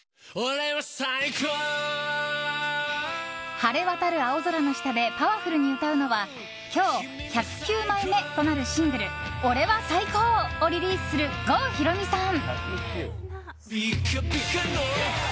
晴れ渡る青空の下でパワフルに歌うのは今日、１０９枚目となるシングル「俺は最高！！！」をリリースする、郷ひろみさん。